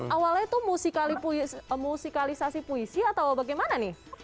awalnya itu musikalisasi puisi atau bagaimana nih